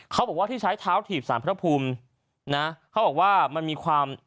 เขาบอกว่าที่ใช้เท้าถีบสารพระภูมินะเขาบอกว่ามันมีความ